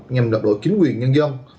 nhằm đọc độ chính quyền nhân dân